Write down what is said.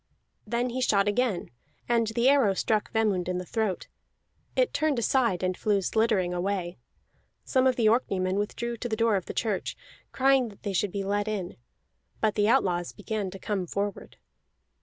Then he shot again, and the arrow struck Vemund on the throat; it turned aside, and flew sliddering away. Some of the Orkneymen withdrew to the door of the church, crying that they should be let in. But the outlaws began to come forward.